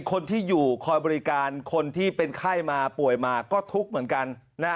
คนที่อยู่คอยบริการคนที่เป็นไข้มาป่วยมาก็ทุกข์เหมือนกัน